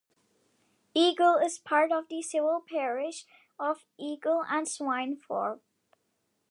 Eagle is part of the civil parish of Eagle and Swinethorpe.